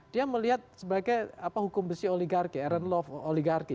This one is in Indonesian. dia melihat sebagai hukum besi oligarki